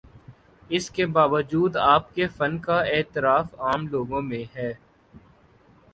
اس کے باوجود آپ کے فن کا اعتراف عام لوگوں میں ہے۔